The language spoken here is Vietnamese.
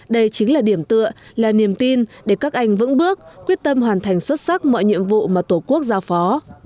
đây chính là điểm tựa là niềm tin để các anh vững bước quyết tâm hoàn thành xuất sắc mọi nhiệm vụ mà tổ quốc giao phó